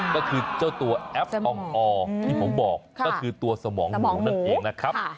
ก็คือเจ้าตัวแอปองออร์ที่ผมบอกก็คือตัวสมองหมูนั่นเองนะครับ